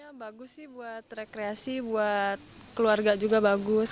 tempatnya bagus sih buat rekreasi buat keluarga juga bagus